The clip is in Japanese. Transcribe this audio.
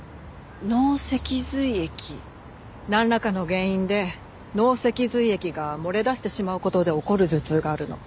なんらかの原因で脳脊髄液が漏れ出してしまう事で起こる頭痛があるの。